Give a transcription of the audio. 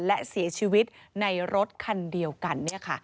และเสียชีวิตในรถคันเดียวกัน